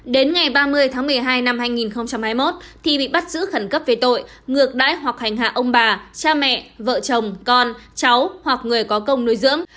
đến ngày ba mươi tháng một mươi hai năm hai nghìn hai mươi một thì bị bắt giữ khẩn cấp về tội ngược đãi hoặc hành hạ ông bà cha mẹ vợ chồng con cháu hoặc người có công nuôi dưỡng